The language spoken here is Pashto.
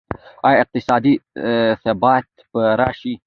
آیا اقتصادي ثبات به راشي؟